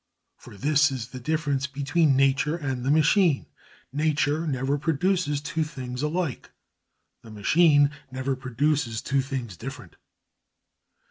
For this is the difference between nature and the machine: nature never produces two things alike, the machine never produces two things different.